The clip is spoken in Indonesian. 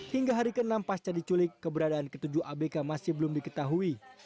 hingga hari ke enam pasca diculik keberadaan ketujuh abk masih belum diketahui